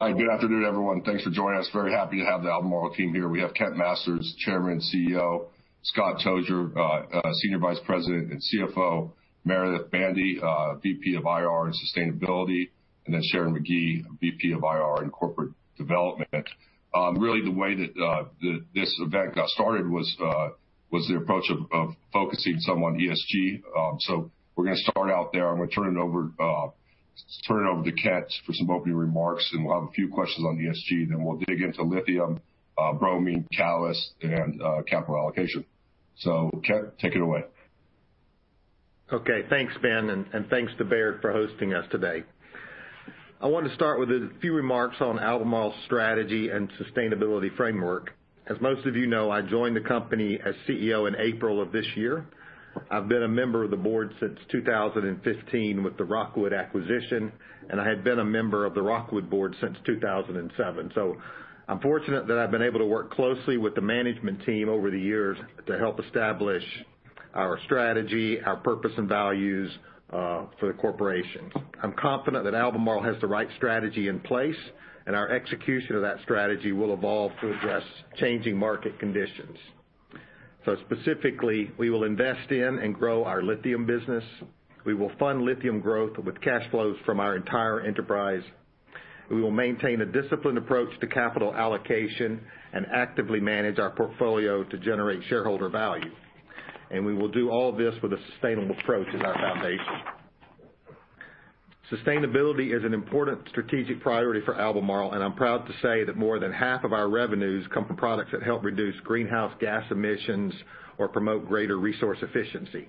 Hi, good afternoon, everyone. Thanks for joining us. Very happy to have the Albemarle team here. We have Kent Masters, Chairman and CEO, Scott Tozier, Senior Vice President and CFO, Meredith Bandy, VP of IR and Sustainability, and then Sharon McGee, VP of IR and Corporate Development. Really the way that this event got started was the approach of focusing some on ESG. We're going to start out there, and we'll turn it over to Kent for some opening remarks, and we'll have a few questions on ESG, then we'll dig into lithium, bromine, catalysts, and capital allocation. Thanks, Ben, thanks to Baird for hosting us today. I want to start with a few remarks on Albemarle's strategy and sustainability framework. As most of you know, I joined the company as CEO in April of this year. I've been a member of the board since 2015 with the Rockwood acquisition, I had been a member of the Rockwood board since 2007. I'm fortunate that I've been able to work closely with the management team over the years to help establish our strategy, our purpose, and values for the corporation. I'm confident that Albemarle has the right strategy in place, our execution of that strategy will evolve to address changing market conditions. Specifically, we will invest in and grow our lithium business. We will fund lithium growth with cash flows from our entire enterprise. We will maintain a disciplined approach to capital allocation and actively manage our portfolio to generate shareholder value. We will do all of this with a sustainable approach as our foundation. Sustainability is an important strategic priority for Albemarle, and I'm proud to say that more than half of our revenues come from products that help reduce greenhouse gas emissions or promote greater resource efficiency.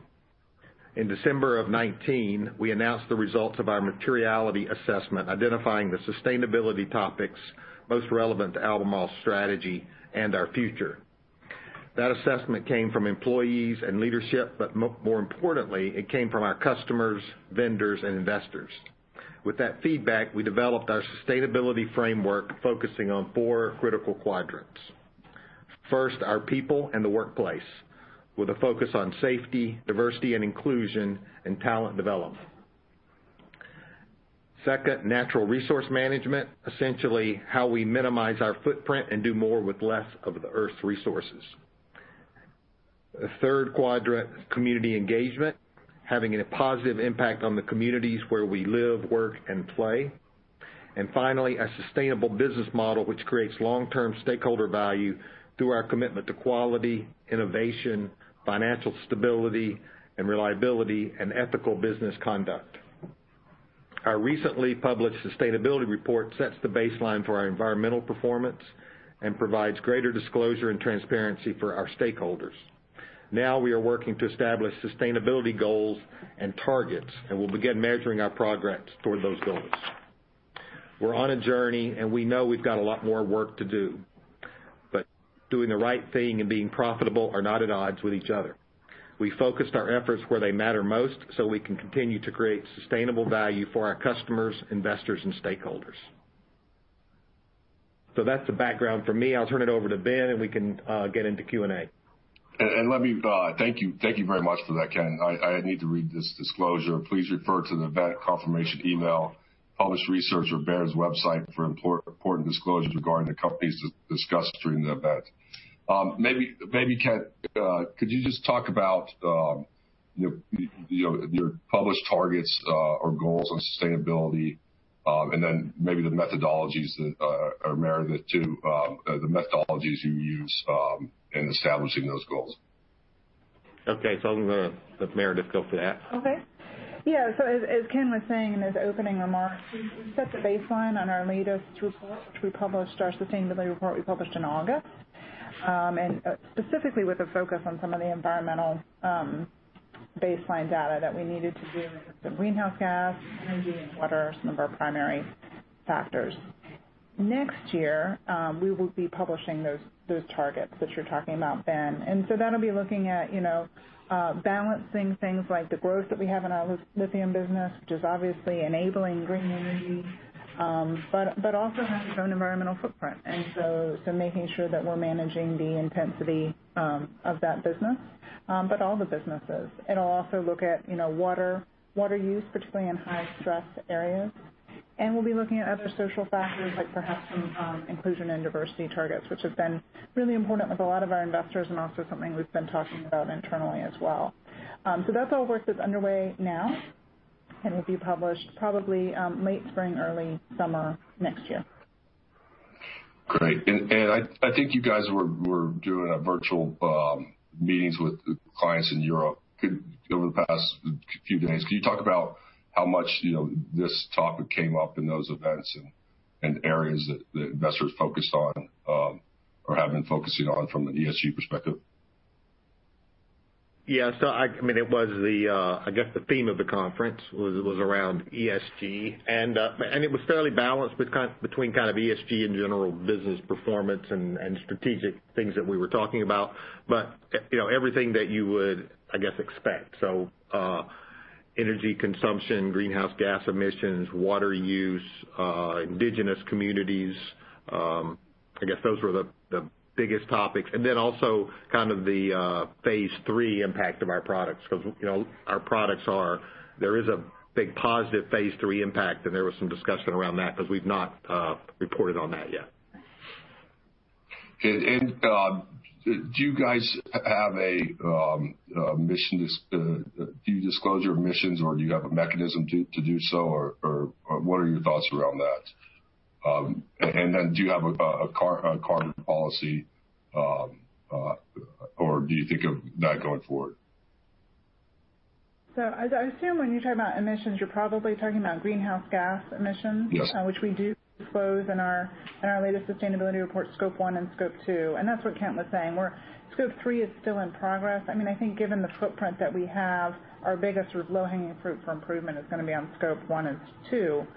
In December of 2019, we announced the results of our materiality assessment, identifying the sustainability topics most relevant to Albemarle's strategy and our future. That assessment came from employees and leadership, but more importantly, it came from our customers, vendors, and investors. With that feedback, we developed our sustainability framework focusing on four critical quadrants. First, our people and the workplace, with a focus on safety, diversity and inclusion, and talent development. Second, natural resource management. Essentially, how we minimize our footprint and do more with less of the Earth's resources. The third quadrant, community engagement, having a positive impact on the communities where we live, work, and play. Finally, a sustainable business model which creates long-term stakeholder value through our commitment to quality, innovation, financial stability and reliability, and ethical business conduct. Our recently published sustainability report sets the baseline for our environmental performance and provides greater disclosure and transparency for our stakeholders. Now we are working to establish sustainability goals and targets, and we'll begin measuring our progress toward those goals. We're on a journey, and we know we've got a lot more work to do. Doing the right thing and being profitable are not at odds with each other. We focused our efforts where they matter most so we can continue to create sustainable value for our customers, investors, and stakeholders. That's the background from me. I'll turn it over to Ben, and we can get into Q&A. Thank you very much for that, Kent. I need to read this disclosure. Please refer to the event confirmation email, published research, or Baird's website for important disclosures regarding the companies discussed during the event. Maybe, Kent, could you just talk about your published targets or goals on sustainability, and then maybe the methodologies that, or Meredith too, the methodologies you use in establishing those goals. Okay. I'm going to let Meredith go for that. Okay. Yeah, as Kent was saying in his opening remarks, we set the baseline on our latest report, which we published, our sustainability report we published in August, and specifically with a focus on some of the environmental baseline data that we needed to do in terms of greenhouse gas, energy, and water, some of our primary factors. Next year, we will be publishing those targets that you're talking about, Ben. That'll be looking at balancing things like the growth that we have in our lithium business, which is obviously enabling green energy, but also has its own environmental footprint. Making sure that we're managing the intensity of that business, but all the businesses. It'll also look at water use, particularly in high-stress areas. We'll be looking at other social factors like perhaps some inclusion and diversity targets, which have been really important with a lot of our investors and also something we've been talking about internally as well. That's all work that's underway now and will be published probably late spring, early summer next year. Great. I think you guys were doing virtual meetings with clients in Europe over the past few days. Can you talk about how much this topic came up in those events and areas that investors focused on or have been focusing on from an ESG perspective? I guess the theme of the conference was around ESG. It was fairly balanced between kind of ESG and general business performance and strategic things that we were talking about. Everything that you would, I guess, expect. Energy consumption, greenhouse gas emissions, water use, indigenous communities. I guess those were the biggest topics. Also the phase III impact of our products, because there is a big positive phase III impact, and there was some discussion around that because we've not reported on that yet. Okay. Do you guys have a mission? Do you disclose your missions, or do you have a mechanism to do so, or what are your thoughts around that? Do you have a carbon policy? Do you think of that going forward? I assume when you talk about emissions, you're probably talking about greenhouse gas emissions. Yes. Which we do disclose in our latest sustainability report, Scope 1 and Scope 2, and that's what Kent was saying, where Scope 3 is still in progress. I think given the footprint that we have, our biggest low-hanging fruit for improvement is going to be on Scope 1 and 2.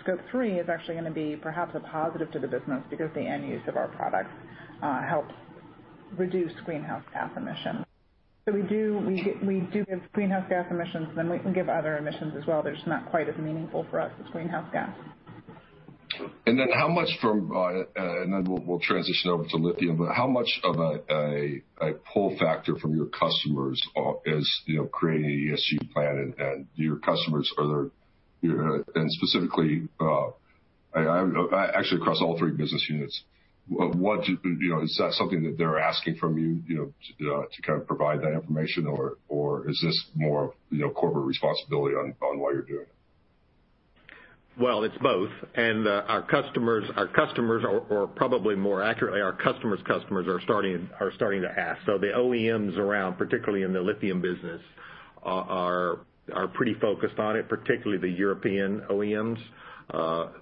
Scope 3 is actually going to be perhaps a positive to the business because the end use of our products helps reduce greenhouse gas emissions. We do give greenhouse gas emissions, and then we can give other emissions as well. They're just not quite as meaningful for us as greenhouse gas. We'll transition over to lithium, but how much of a pull factor from your customers is creating an ESG plan, and do your customers, specifically, actually across all three business units, is that something that they're asking from you to provide that information, or is this more corporate responsibility on why you're doing it? It's both. Our customers, or probably more accurately, our customer's customers are starting to ask. The OEMs around, particularly in the lithium business, are pretty focused on it, particularly the European OEMs.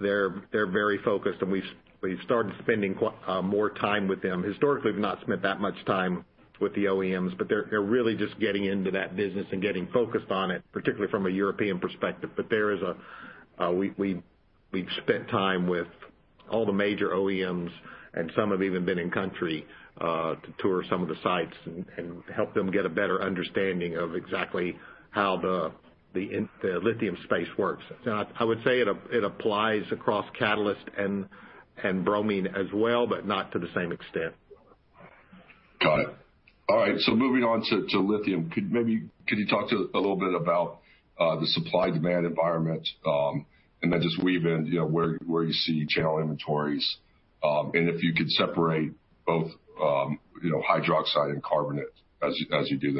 They're very focused, and we've started spending more time with them. Historically, we've not spent that much time with the OEMs, but they're really just getting into that business and getting focused on it, particularly from a European perspective. We've spent time with all the major OEMs, and some have even been in country to tour some of the sites and help them get a better understanding of exactly how the lithium space works. I would say it applies across catalysts and Bromine as well, but not to the same extent. Got it. All right, moving on to lithium. Could you talk to a little bit about the supply-demand environment? Then just weave in where you see channel inventories. If you could separate both hydroxide and carbonate as you do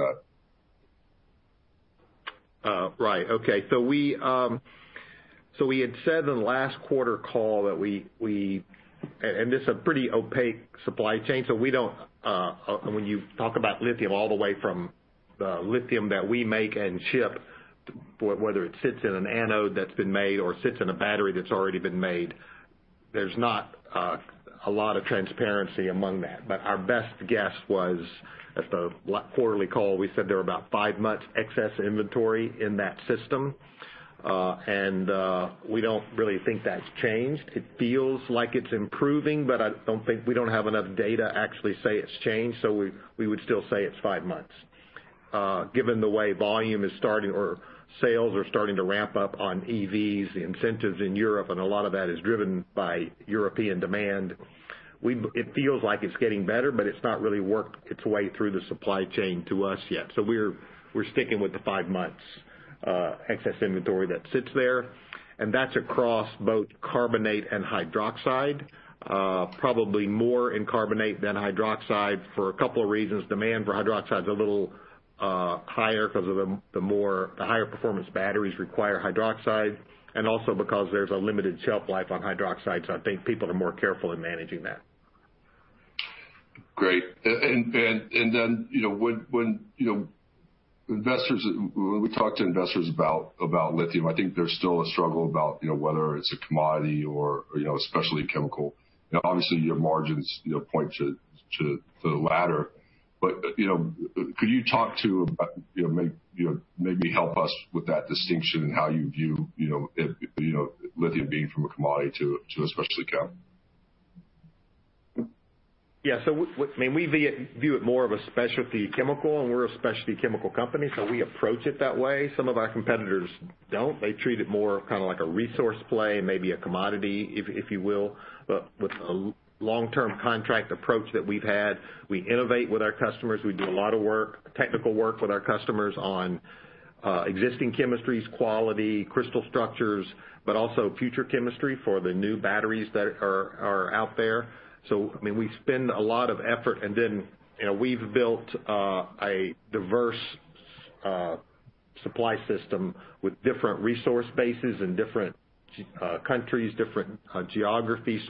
that. Right. Okay. We had said in the last quarter call. This is a pretty opaque supply chain. When you talk about lithium all the way from the lithium that we make and ship, whether it sits in a cathode that's been made or sits in a battery that's already been made, there's not a lot of transparency among that. Our best guess was at the last quarterly call, we said there were about five months excess inventory in that system. We don't really think that's changed. It feels like it's improving, but we don't have enough data to actually say it's changed. We would still say it's five months. Given the way volume is starting or sales are starting to ramp up on EVs, the incentives in Europe, and a lot of that is driven by European demand, it feels like it's getting better, but it's not really worked its way through the supply chain to us yet. We're sticking with the five months excess inventory that sits there, and that's across both carbonate and hydroxide. Probably more in carbonate than hydroxide for a couple of reasons. Demand for hydroxide is a little higher because the higher performance batteries require hydroxide, and also because there's a limited shelf life on hydroxide, so I think people are more careful in managing that. Great. When we talk to investors about lithium, I think there's still a struggle about whether it's a commodity or a specialty chemical. Now, obviously, your margins point to the latter. Could you talk to maybe help us with that distinction and how you view lithium being from a commodity to a specialty chemical? We view it more of a specialty chemical, and we're a specialty chemical company, so we approach it that way. Some of our competitors don't. They treat it more kind of like a resource play, maybe a commodity, if you will, but with a long-term contract approach that we've had. We innovate with our customers. We do a lot of work, technical work with our customers on existing chemistries, quality, crystal structures, but also future chemistry for the new batteries that are out there. We spend a lot of effort, and then we've built a diverse supply system with different resource bases in different countries, different geographies.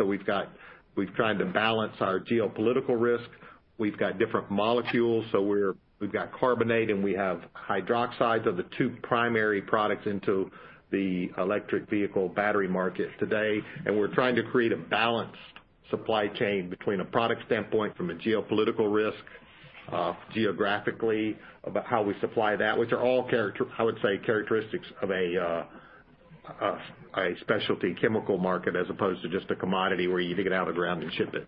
We've tried to balance our geopolitical risk. We've got different molecules. We've got carbonate, and we have hydroxides are the two primary products into the electric vehicle battery market today. We're trying to create a balanced supply chain between a product standpoint from a geopolitical risk, geographically, about how we supply that, which are all, I would say, characteristics of a specialty chemical market as opposed to just a commodity where you dig it out of the ground and ship it.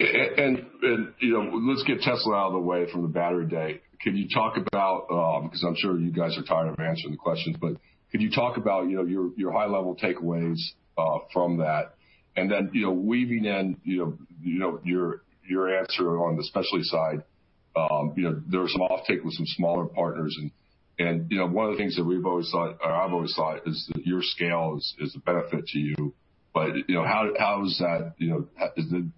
Let's get Tesla out of the way from the Battery Day. Could you talk about, because I'm sure you guys are tired of answering the questions, but could you talk about your high-level takeaways from that? Then weaving in your answer on the specialty side. There was some offtake with some smaller partners, and one of the things that I've always thought is that your scale is a benefit to you. Did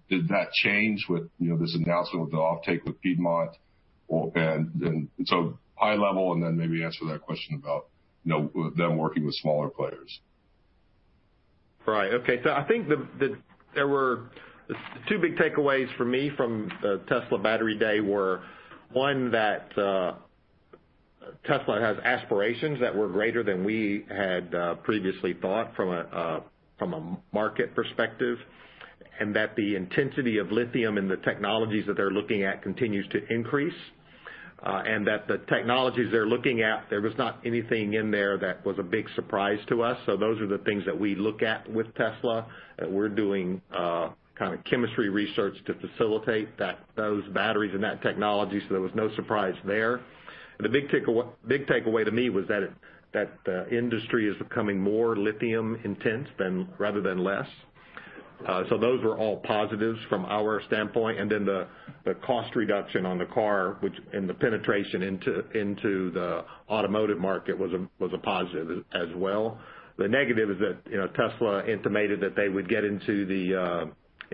that change with this announcement with the offtake with Piedmont? So high level, then maybe answer that question about them working with smaller players. Right. Okay. I think the two big takeaways for me from the Tesla Battery Day were, one, that Tesla has aspirations that were greater than we had previously thought from a market perspective, and that the intensity of lithium and the technologies that they're looking at continues to increase. The technologies they're looking at, there was not anything in there that was a big surprise to us. Those are the things that we look at with Tesla, that we're doing chemistry research to facilitate those batteries and that technology, so there was no surprise there. The big takeaway to me was that the industry is becoming more lithium intense rather than less. Those were all positives from our standpoint. The cost reduction on the car and the penetration into the automotive market was a positive as well. The negative is that Tesla intimated that they would get into the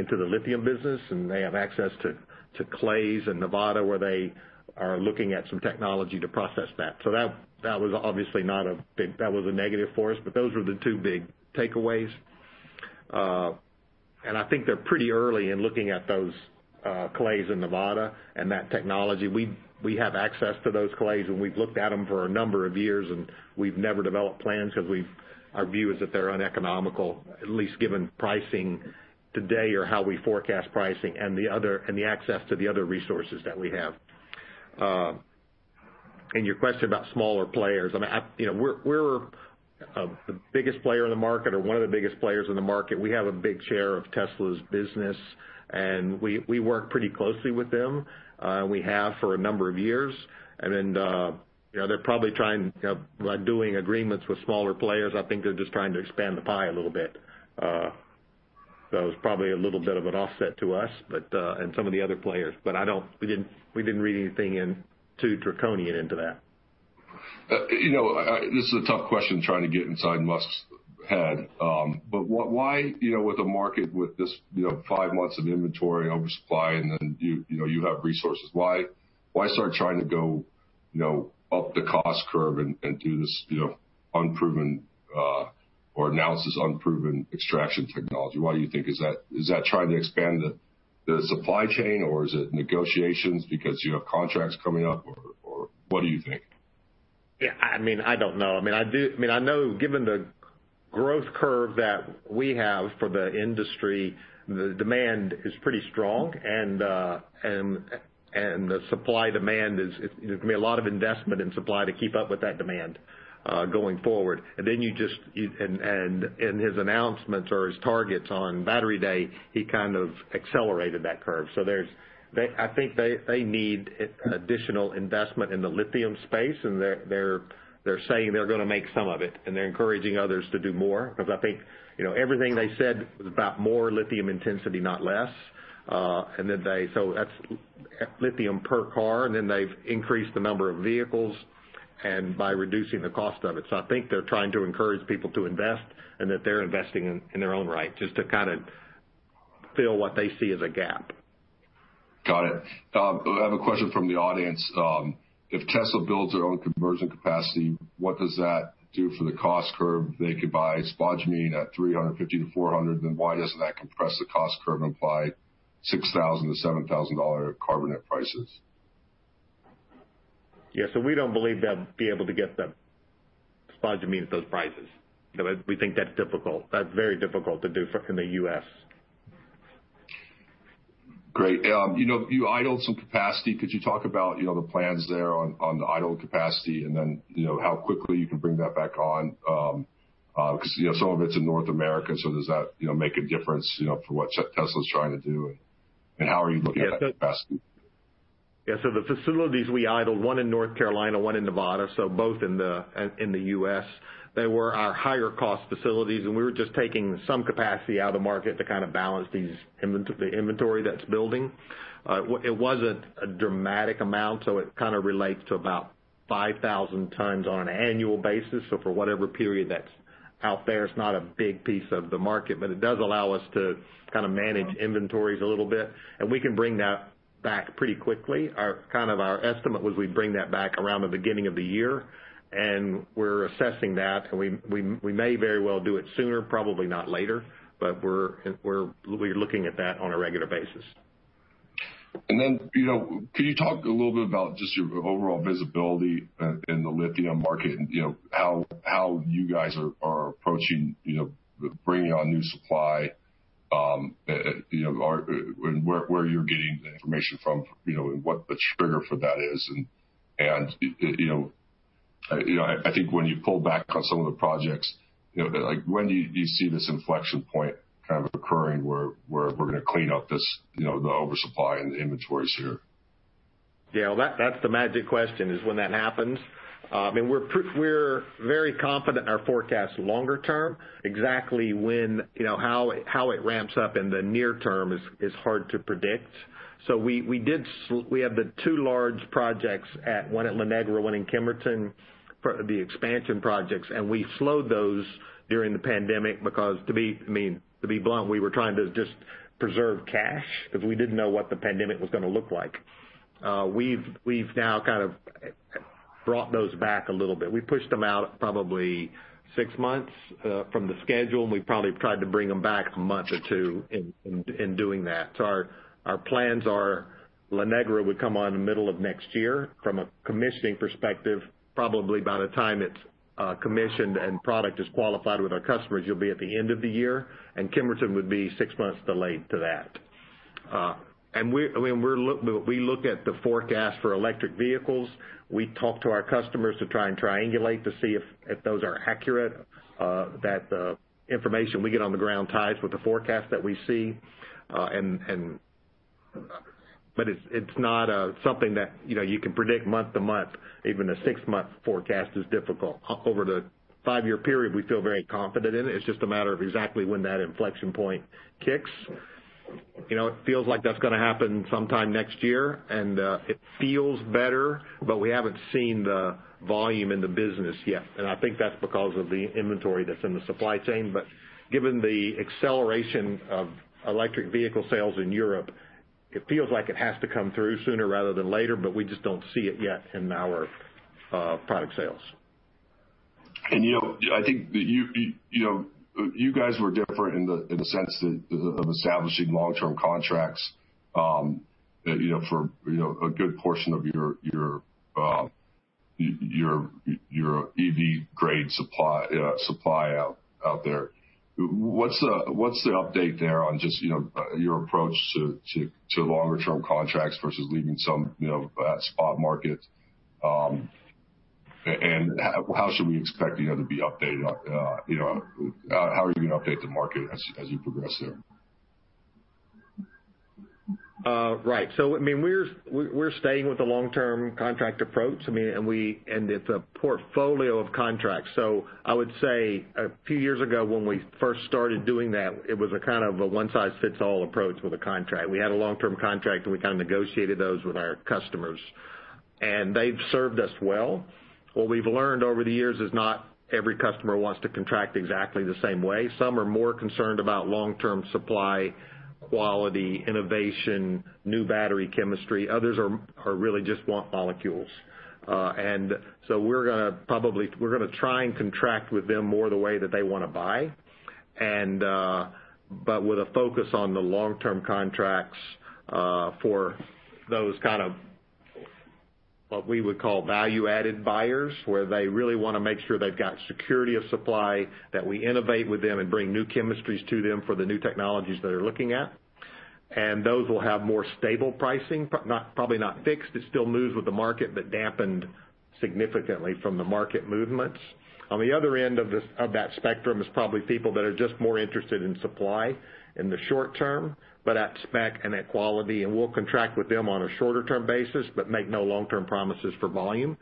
lithium business, and they have access to clays in Nevada, where they are looking at some technology to process that. That was a negative for us, but those were the two big takeaways. I think they're pretty early in looking at those clays in Nevada and that technology. We have access to those clays, and we've looked at them for a number of years, and we've never developed plans because our view is that they're uneconomical, at least given pricing today or how we forecast pricing, and the access to the other resources that we have. Your question about smaller players, we're the biggest player in the market or one of the biggest players in the market. We have a big share of Tesla's business, and we work pretty closely with them. We have for a number of years. They're probably trying by doing agreements with smaller players, I think they're just trying to expand the pie a little bit. It was probably a little bit of an offset to us, and some of the other players. We didn't read anything too draconian into that. This is a tough question, trying to get inside Elon Musk's head. With the market with this five months of inventory oversupply and then you have resources, why start trying to go up the cost curve and do this unproven extraction technology? Why do you think? Is that trying to expand the supply chain, or is it negotiations because you have contracts coming up, or what do you think? Yeah. I don't know. I know given the growth curve that we have for the industry, the demand is pretty strong, and the supply-demand is, there's going to be a lot of investment in supply to keep up with that demand going forward. In his announcements or his targets on Battery Day, he kind of accelerated that curve. I think they need additional investment in the lithium space, and they're saying they're going to make some of it, and they're encouraging others to do more because I think everything they said was about more lithium intensity, not less. That's lithium per car, and then they've increased the number of vehicles and by reducing the cost of it. I think they're trying to encourage people to invest and that they're investing in their own right just to fill what they see as a gap. Got it. I have a question from the audience. If Tesla builds their own conversion capacity, what does that do for the cost curve? They could buy spodumene at $350-$400. Why doesn't that compress the cost curve and apply $6,000-$7,000 carbonate prices? Yeah. We don't believe they'll be able to get the spodumene at those prices. We think that's difficult. That's very difficult to do from the U.S. Great. You idled some capacity. Could you talk about the plans there on the idle capacity and then how quickly you can bring that back on? Some of it's in North America, so does that make a difference for what Tesla's trying to do, and how are you looking at that capacity? Yeah. The facilities we idled, one in North Carolina, one in Nevada, both in the U.S. They were our higher cost facilities, and we were just taking some capacity out of the market to balance the inventory that's building. It wasn't a dramatic amount, so it kind of relates to about 5,000 tons on an annual basis. For whatever period that's out there, it's not a big piece of the market, but it does allow us to manage inventories a little bit. We can bring that back pretty quickly. Our estimate was we'd bring that back around the beginning of the year, and we're assessing that. We may very well do it sooner, probably not later, but we're looking at that on a regular basis. Can you talk a little bit about just your overall visibility in the lithium market and how you guys are approaching bringing on new supply, and where you're getting the information from and what the trigger for that is, and I think when you pull back on some of the projects, when do you see this inflection point occurring where we're going to clean up the oversupply in the inventories here? Yeah, that's the magic question, is when that happens. We're very confident in our forecast longer term. Exactly how it ramps up in the near term is hard to predict. We have the two large projects, one at La Negra, one in Kemerton, the expansion projects, and we slowed those during the pandemic because, to be blunt, we were trying to just preserve cash because we didn't know what the pandemic was going to look like. We've now brought those back a little bit. We pushed them out probably six months from the schedule, and we probably tried to bring them back a month or two in doing that. Our plans are La Negra would come on the middle of next year. From a commissioning perspective, probably by the time it's commissioned and product is qualified with our customers, you'll be at the end of the year, and Kemerton would be six months delayed to that. We look at the forecast for electric vehicles. We talk to our customers to try and triangulate to see if those are accurate, that the information we get on the ground ties with the forecast that we see. It's not something that you can predict month-to-month. Even a six-month forecast is difficult. Over the five-year period, we feel very confident in it. It's just a matter of exactly when that inflection point kicks. It feels like that's going to happen sometime next year, and it feels better, but we haven't seen the volume in the business yet, and I think that's because of the inventory that's in the supply chain. Given the acceleration of electric vehicle sales in Europe, it feels like it has to come through sooner rather than later, but we just don't see it yet in our product sales. I think that you guys were different in the sense of establishing long-term contracts for a good portion of your EV grade supply out there. What's the update there on just your approach to longer term contracts versus leaving some spot market? How should we expect to be updated? How are you going to update the market as you progress there? Right. We're staying with the long-term contract approach, and it's a portfolio of contracts. I would say a few years ago when we first started doing that, it was a one-size-fits-all approach with a contract. We had a long-term contract, and we negotiated those with our customers, and they've served us well. What we've learned over the years is not every customer wants to contract exactly the same way. Some are more concerned about long-term supply, quality, innovation, new battery chemistry. Others really just want molecules. We're going to try and contract with them more the way that they want to buy, but with a focus on the long-term contracts for those kind of what we would call value-added buyers, where they really want to make sure they've got security of supply, that we innovate with them and bring new chemistries to them for the new technologies they're looking at. Those will have more stable pricing, probably not fixed. It still moves with the market, but dampened significantly from the market movements. On the other end of that spectrum is probably people that are just more interested in supply in the short term, but at spec and at quality, and we'll contract with them on a shorter term basis, but make no long-term promises for volume.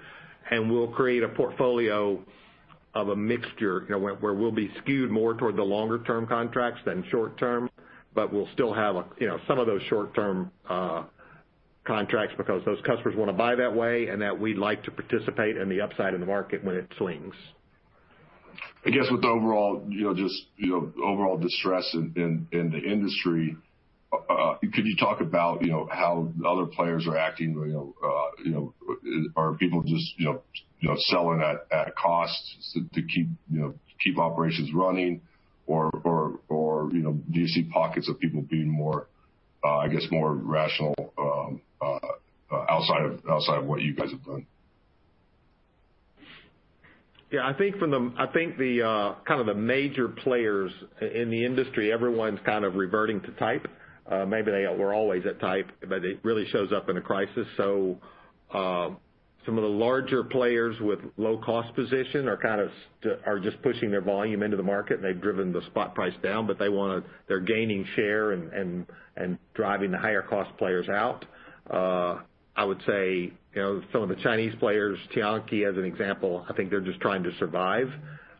We'll create a portfolio of a mixture, where we'll be skewed more toward the longer term contracts than short term, but we'll still have some of those short term contracts because those customers want to buy that way, and that we'd like to participate in the upside of the market when it swings. I guess with the overall distress in the industry, could you talk about how other players are acting? Are people just selling at cost to keep operations running, or do you see pockets of people being more rational outside of what you guys have done? I think the major players in the industry, everyone's kind of reverting to type. Maybe they were always at type, it really shows up in a crisis. Some of the larger players with low cost position are just pushing their volume into the market, and they've driven the spot price down, but they're gaining share and driving the higher cost players out. I would say some of the Chinese players, Tianqi, as an example, I think they're just trying to survive.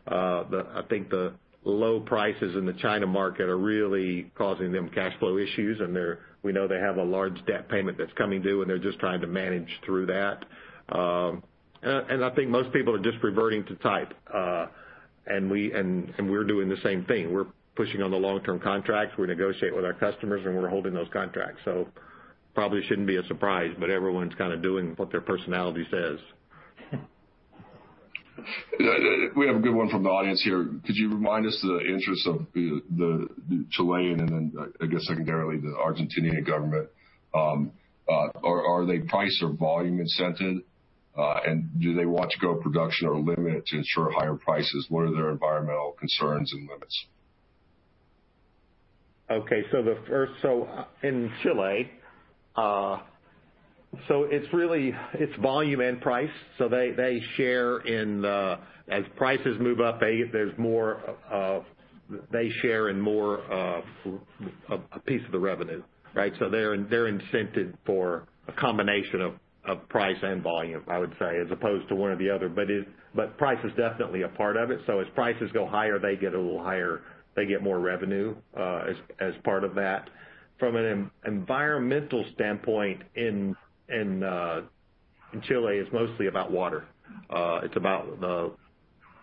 I think the low prices in the China market are really causing them cash flow issues, and we know they have a large debt payment that's coming due, and they're just trying to manage through that. I think most people are just reverting to type, and we're doing the same thing. We're pushing on the long-term contracts. We negotiate with our customers, and we're holding those contracts. Probably shouldn't be a surprise, but everyone's kind of doing what their personality says. We have a good one from the audience here. Could you remind us the interests of the Chilean, and then I guess secondarily, the Argentinian government? Are they price or volume incented? Do they want to go production or limit to ensure higher prices? What are their environmental concerns and limits? Okay. In Chile, it's volume and price. As prices move up, they share in more of a piece of the revenue, right? They're incented for a combination of price and volume, I would say, as opposed to one or the other. Price is definitely a part of it. As prices go higher, they get a little higher. They get more revenue as part of that. From an environmental standpoint, in Chile, it's mostly about water. It's about the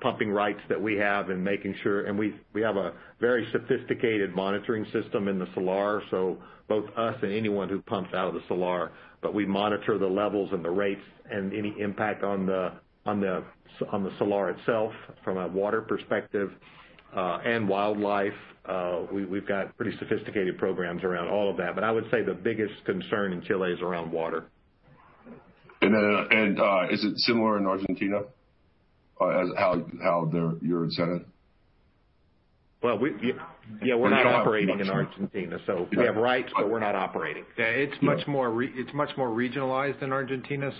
pumping rights that we have and making sure we have a very sophisticated monitoring system in the salar, so both us and anyone who pumps out of the salar. We monitor the levels and the rates and any impact on the salar itself from a water perspective, and wildlife. We've got pretty sophisticated programs around all of that. I would say the biggest concern in Chile is around water. Is it similar in Argentina? How you're incented? Well, we're not operating in Argentina. We have rights, but we're not operating. Yeah. It's much more regionalized in Argentina.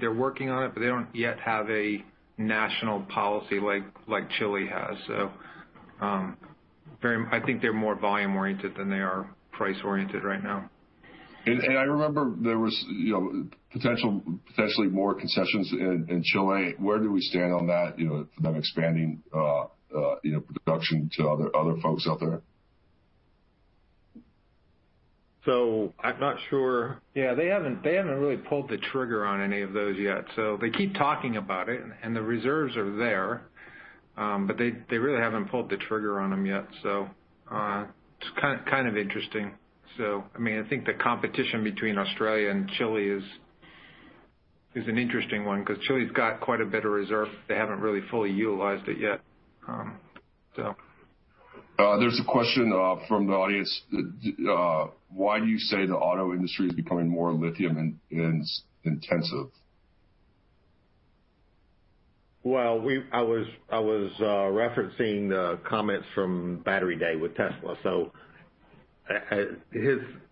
They're working on it, but they don't yet have a national policy like Chile has. I think they're more volume-oriented than they are price-oriented right now. I remember there was potentially more concessions in Chile. Where do we stand on that, them expanding production to other folks out there? I'm not sure. Yeah. They haven't really pulled the trigger on any of those yet. They keep talking about it, and the reserves are there, but they really haven't pulled the trigger on them yet. It's kind of interesting. I think the competition between Australia and Chile is an interesting one, because Chile's got quite a bit of reserve. They haven't really fully utilized it yet. There's a question from the audience. Why do you say the auto industry is becoming more lithium-intensive? Well, I was referencing the comments from Battery Day with Tesla.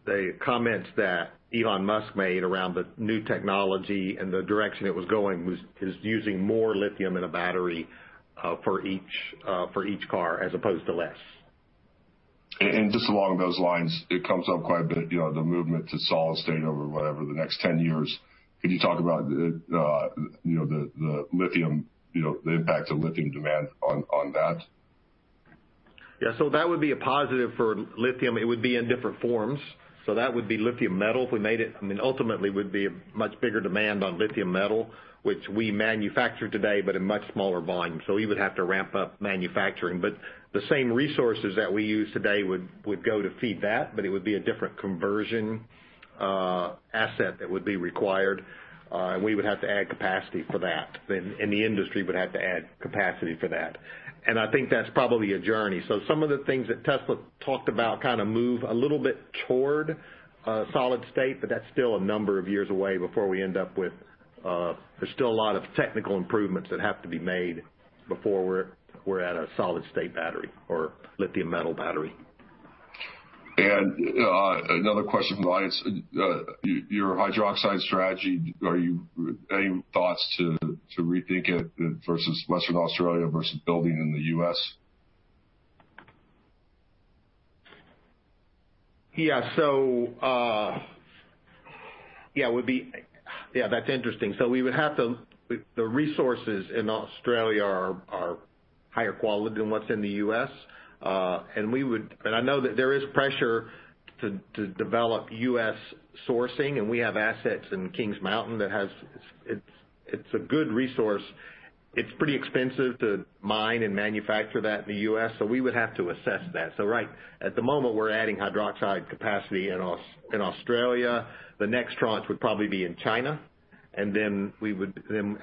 The comments that Elon Musk made around the new technology and the direction it was going is using more lithium in a battery for each car as opposed to less. Just along those lines, it comes up quite a bit, the movement to solid state over whatever the next 10 years. Could you talk about the impact on lithium demand on that? Yeah. That would be a positive for lithium. It would be in different forms. That would be lithium metal if we made it. Ultimately, it would be a much bigger demand on lithium metal, which we manufacture today, but in much smaller volume. We would have to ramp up manufacturing. The same resources that we use today would go to feed that, but it would be a different conversion asset that would be required. We would have to add capacity for that, and the industry would have to add capacity for that. I think that's probably a journey. Some of the things that Tesla talked about kind of move a little bit toward solid state, but that's still a number of years away. There's still a lot of technical improvements that have to be made before we're at a solid state battery or lithium metal battery. Another question from the audience. Your hydroxide strategy, any thoughts to rethink it versus Western Australia versus building in the U.S.? Yeah. That's interesting. The resources in Australia are higher quality than what's in the U.S. I know that there is pressure to develop U.S. sourcing, and we have assets in Kings Mountain that has. It's a good resource. It's pretty expensive to mine and manufacture that in the U.S., so we would have to assess that. Right at the moment, we're adding hydroxide capacity in Australia. The next tranche would probably be in China, and then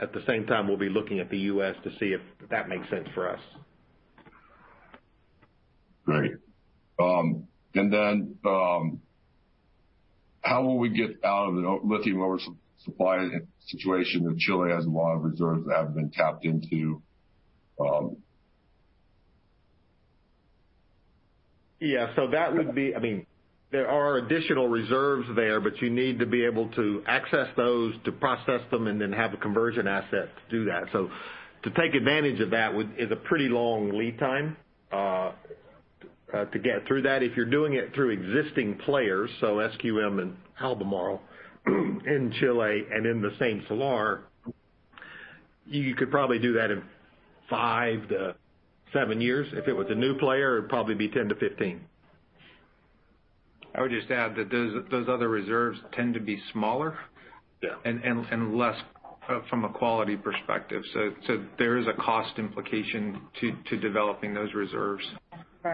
at the same time, we'll be looking at the U.S. to see if that makes sense for us. Great. Then how will we get out of the lithium oversupply situation that Chile has a lot of reserves that haven't been tapped into? Yeah. There are additional reserves there, but you need to be able to access those to process them and then have a conversion asset to do that. To take advantage of that is a pretty long lead time to get through that. If you're doing it through existing players, SQM and Albemarle in Chile and in the same salar, you could probably do that in five to seven years. If it was a new player, it'd probably be 10-15. I would just add that those other reserves tend to be smaller. Yeah. Less from a quality perspective. There is a cost implication to developing those reserves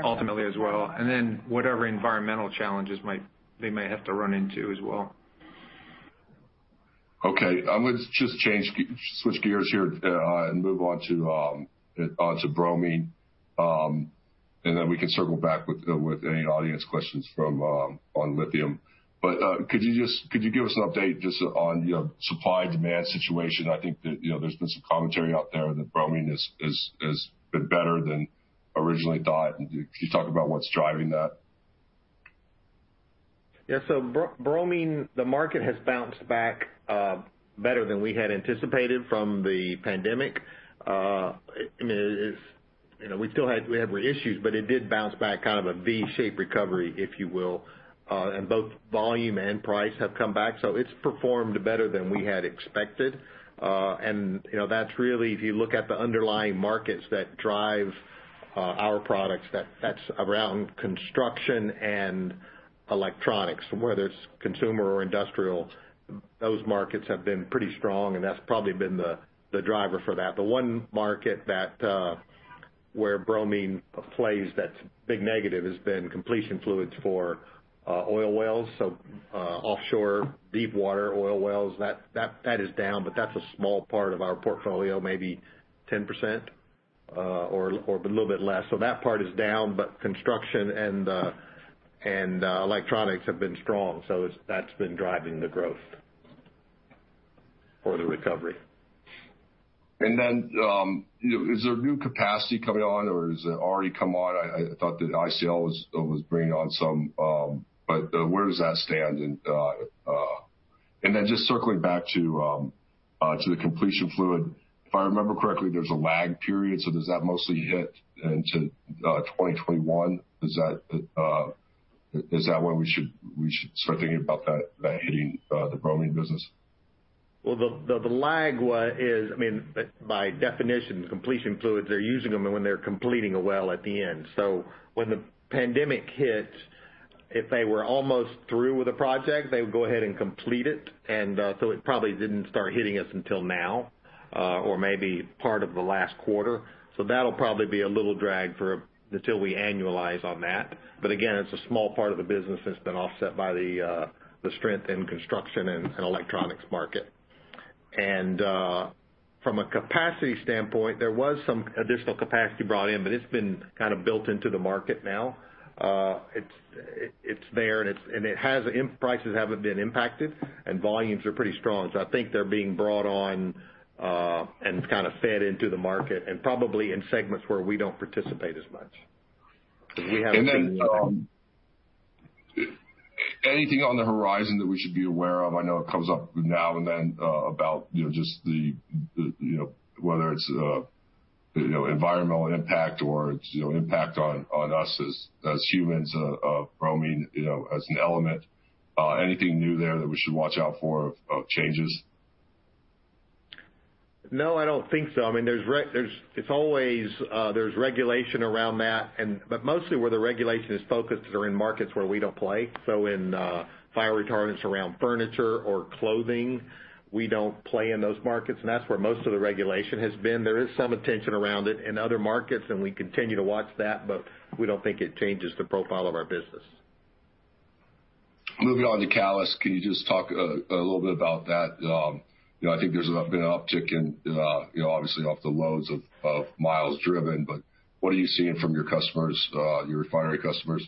ultimately as well. Whatever environmental challenges they may have to run into as well. Okay. Let's just switch gears here and move on to Bromine, and then we can circle back with any audience questions on Lithium. Could you give us an update just on supply/demand situation? I think that there's been some commentary out there that Bromine has been better than originally thought. Could you talk about what's driving that? Yeah. Bromine, the market has bounced back better than we had anticipated from the pandemic. We still have issues, but it did bounce back, kind of a V-shaped recovery, if you will. Both volume and price have come back. It's performed better than we had expected. That's really, if you look at the underlying markets that drive our products, that's around construction and electronics. Whether it's consumer or industrial, those markets have been pretty strong, and that's probably been the driver for that. The one market where bromine plays that's a big negative has been completion fluids for oil wells. Offshore deep water oil wells. That is down, but that's a small part of our portfolio, maybe 10% or a little bit less. That part is down, but construction and electronics have been strong. That's been driving the growth or the recovery. Is there new capacity coming on, or has it already come on? I thought that ICL was bringing on some. Where does that stand? Just circling back to the completion fluid. If I remember correctly, there's a lag period. Does that mostly hit into 2021? Is that when we should start thinking about that hitting the Bromine business? Well, the lag is, by definition, completion fluids, they're using them when they're completing a well at the end. When the pandemic hit, if they were almost through with a project, they would go ahead and complete it. It probably didn't start hitting us until now or maybe part of the last quarter. That'll probably be a little drag until we annualize on that. Again, it's a small part of the business that's been offset by the strength in construction and electronics market. From a capacity standpoint, there was some additional capacity brought in, but it's been kind of built into the market now. It's there, and prices haven't been impacted, and volumes are pretty strong. I think they're being brought on and kind of fed into the market and probably in segments where we don't participate as much. Because we haven't seen- Anything on the horizon that we should be aware of? I know it comes up now and then about just whether it's environmental impact or impact on us as humans of Bromine as an element. Anything new there that we should watch out for of changes? No, I don't think so. There's regulation around that, but mostly where the regulation is focused are in markets where we don't play. In fire retardants around furniture or clothing, we don't play in those markets, and that's where most of the regulation has been. There is some attention around it in other markets, and we continue to watch that, but we don't think it changes the profile of our business. Moving on to Catalyst. Can you just talk a little bit about that? I think there's been an uptick in, obviously, off the loads of miles driven, but what are you seeing from your refinery customers?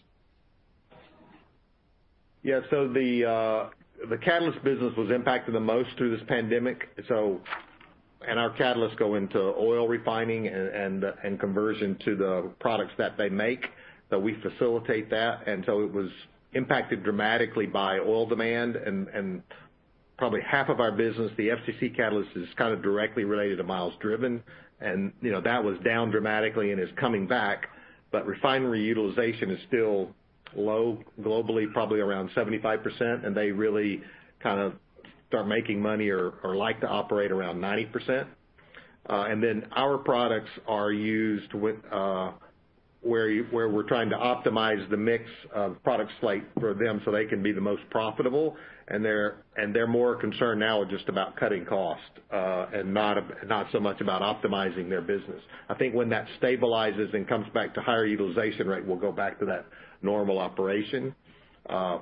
Yeah. The catalyst business was impacted the most through this pandemic. Our catalysts go into oil refining and conversion to the products that they make. We facilitate that. It was impacted dramatically by oil demand and probably half of our business, the FCC catalyst, is kind of directly related to miles driven. That was down dramatically and is coming back. Refinery utilization is still low globally, probably around 75%, and they really kind of start making money or like to operate around 90%. Our products are used where we're trying to optimize the mix of product slate for them so they can be the most profitable. They're more concerned now just about cutting costs and not so much about optimizing their business. I think when that stabilizes and comes back to higher utilization rate, we'll go back to that normal operation. I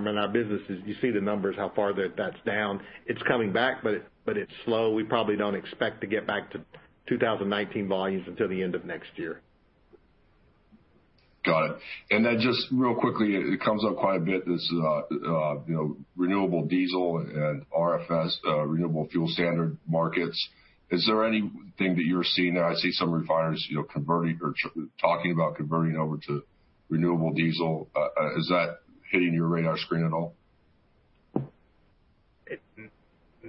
mean, our business is, you see the numbers, how far that's down. It's coming back, it's slow. We probably don't expect to get back to 2019 volumes until the end of next year. Got it. Just real quickly, it comes up quite a bit, this renewable diesel and RFS, Renewable Fuel Standard markets. Is there anything that you're seeing there? I see some refiners converting or talking about converting over to renewable diesel. Is that hitting your radar screen at all?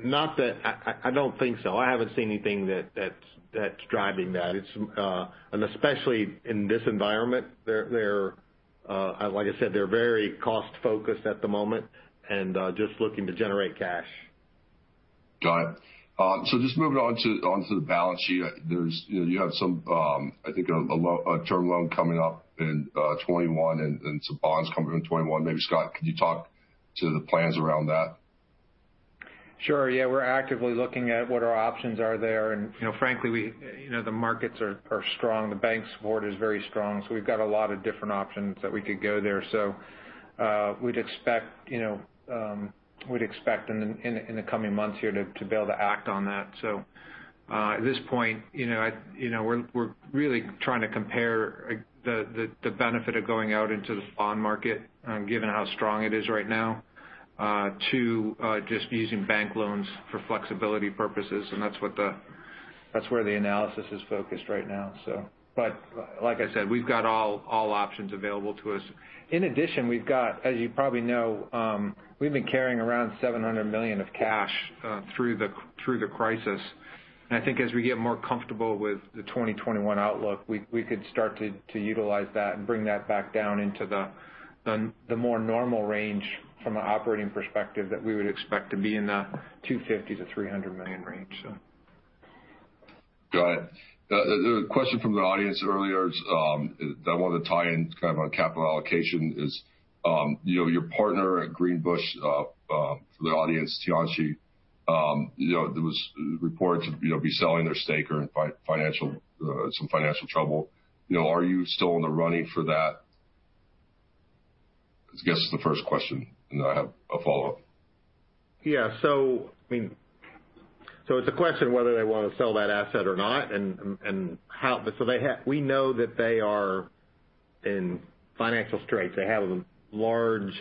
I don't think so. I haven't seen anything that's driving that. Especially in this environment, like I said, they're very cost focused at the moment and just looking to generate cash. Got it. Just moving on to the balance sheet. You have some, I think, a term loan coming up in 2021 and some bonds coming in 2021. Maybe, Scott, could you talk to the plans around that? Sure. Yeah. We're actively looking at what our options are there. Frankly, the markets are strong. The bank support is very strong. We've got a lot of different options that we could go there. We'd expect in the coming months here to be able to act on that. At this point, we're really trying to compare the benefit of going out into the bond market, given how strong it is right now, to just using bank loans for flexibility purposes. That's where the analysis is focused right now. Like I said, we've got all options available to us. In addition, we've got, as you probably know, we've been carrying around $700 million of cash through the crisis. I think as we get more comfortable with the 2021 outlook, we could start to utilize that and bring that back down into the more normal range from an operating perspective that we would expect to be in the $250 million-$300 million range. Got it. A question from the audience earlier that I wanted to tie in kind of on capital allocation is your partner at Greenbushes, for the audience, Tianqi, there was reports of be selling their stake or in some financial trouble. Are you still in the running for that? I guess is the first question, and then I have a follow-up. Yeah. It's a question whether they want to sell that asset or not and how. We know that they are in financial straits. They have a large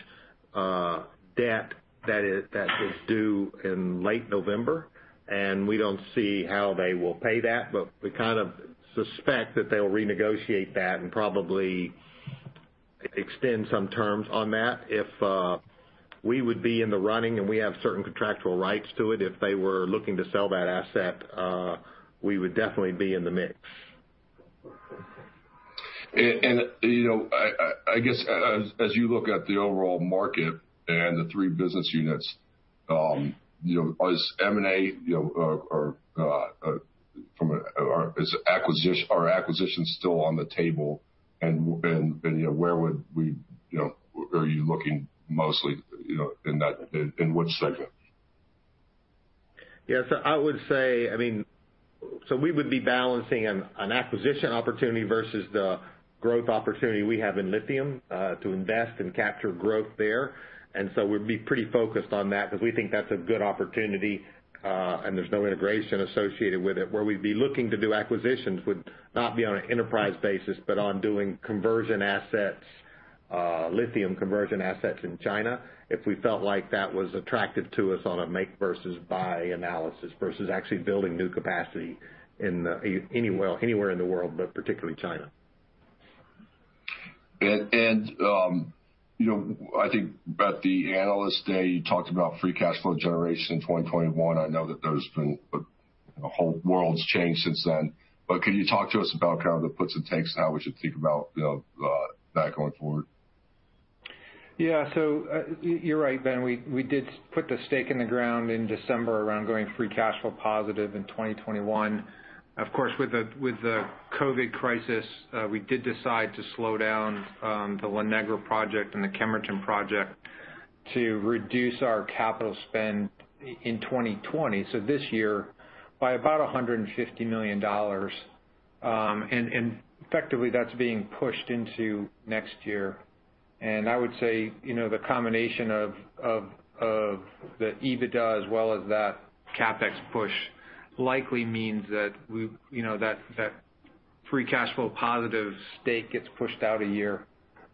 debt that is due in late November, and we don't see how they will pay that, but we kind of suspect that they'll renegotiate that and probably extend some terms on that. We would be in the running, and we have certain contractual rights to it. If they were looking to sell that asset, we would definitely be in the mix. I guess as you look at the overall market and the three business units, is M&A or are acquisitions still on the table, and where are you looking mostly in what segment? I would say, we would be balancing an acquisition opportunity versus the growth opportunity we have in lithium to invest and capture growth there. We'd be pretty focused on that because we think that's a good opportunity, and there's no integration associated with it. Where we'd be looking to do acquisitions would not be on an enterprise basis, but on doing conversion assets, lithium conversion assets in China if we felt like that was attractive to us on a make versus buy analysis, versus actually building new capacity anywhere in the world, but particularly China. I think at the Analyst Day, you talked about free cash flow generation in 2021. I know that the whole world's changed since then. Could you talk to us about kind of the puts and takes, how we should think about that going forward? Yeah. You're right, Ben. We did put the stake in the ground in December around going free cash flow positive in 2021. Of course, with the COVID crisis, we did decide to slow down the La Negra Project and the Kemerton Project to reduce our capital spend in 2020. This year, by about $150 million. Effectively, that's being pushed into next year. I would say, the combination of the EBITDA as well as that CapEx push likely means that free cash flow positive stake gets pushed out a year.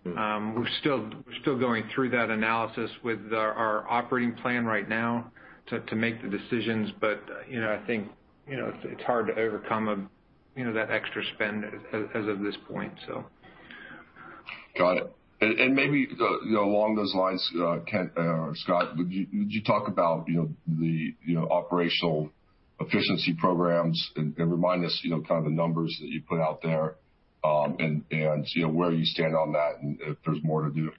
We're still going through that analysis with our operating plan right now to make the decisions. I think, it's hard to overcome that extra spend as of this point. Got it. Maybe along those lines, Scott, would you talk about the operational efficiency programs and remind us kind of the numbers that you put out there and where you stand on that and if there's more to do?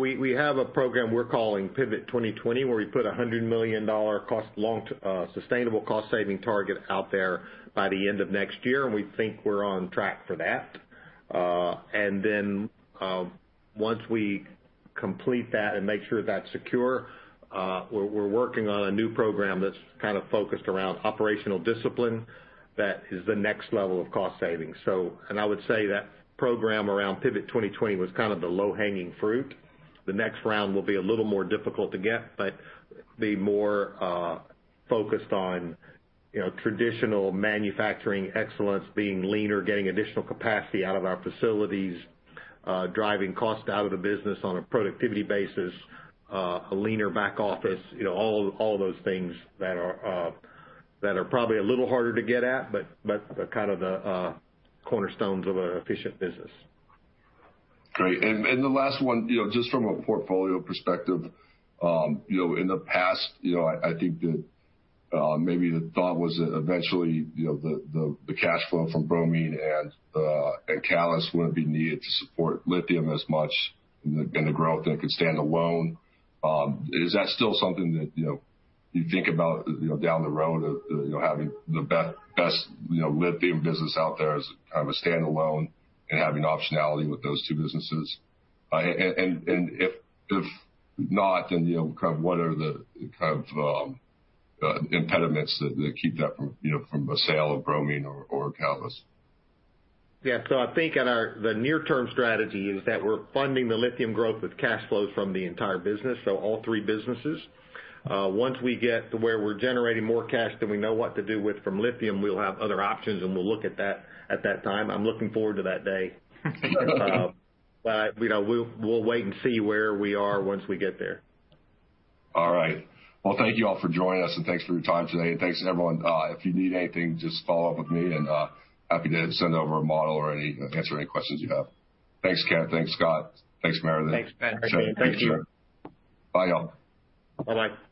We have a program we're calling Pivot 2020, where we put a $100 million sustainable cost-saving target out there by the end of next year. We think we're on track for that. Once we complete that and make sure that's secure, we're working on a new program that's kind of focused around operational discipline that is the next level of cost savings. I would say that program around Pivot 2020 was kind of the low-hanging fruit. The next round will be a little more difficult to get, but be more focused on traditional manufacturing excellence, being leaner, getting additional capacity out of our facilities, driving cost out of the business on a productivity basis, a leaner back office. All those things that are probably a little harder to get at, but are kind of the cornerstones of an efficient business. Great. The last one, just from a portfolio perspective. In the past, I think that maybe the thought was that eventually, the cash flow from bromine and catalysts wouldn't be needed to support lithium as much and the growth that it could stand alone. Is that still something that you think about down the road of having the best lithium business out there as kind of a standalone and having optionality with those two businesses? If not, then what are the kind of impediments that keep that from a sale of bromine or catalysts? I think the near-term strategy is that we're funding the lithium growth with cash flows from the entire business, so all three businesses. Once we get to where we're generating more cash than we know what to do with from lithium, we'll have other options, and we'll look at that at that time. I'm looking forward to that day. We'll wait and see where we are once we get there. All right. Well, thank you all for joining us, and thanks for your time today, and thanks everyone. If you need anything, just follow up with me and happy to send over a model or answer any questions you have. Thanks, Kent. Thanks, Scott. Thanks, Meredith. Thanks, Ben. Appreciate it. Thank you. Bye, y'all. Bye-bye.